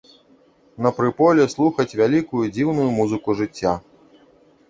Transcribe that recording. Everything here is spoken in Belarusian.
На прыполе слухаць вялікую, дзіўную музыку жыцця.